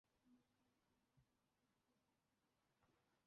世界上很多国家包括中国的滑冰队都曾在这里训练。